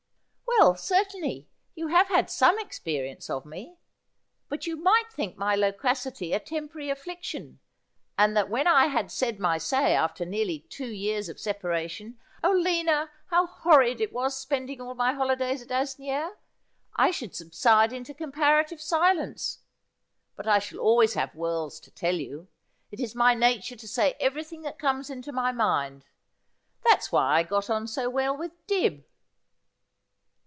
' Well, certainly, you have had some experience of me ; but you might think my loquacity a temporary afiSiction, and that when I had said my say after nearly two years of separation — oh, Lina, how horrid it was spending all my holidays at Asnieres !•— I should subside into comparative silence. But I shall always have worlds to tell you. It is my nature to say everything that comes into my mind. That's why I got on so well with Dibb.'